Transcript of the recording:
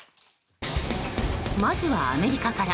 まずはアメリカから。